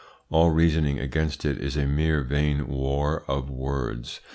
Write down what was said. All reasoning against it is a mere vain war of words.